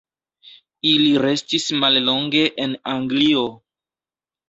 Ili restis mallonge en Anglio.